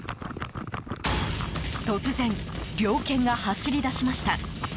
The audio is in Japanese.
突然、猟犬が走り出しました。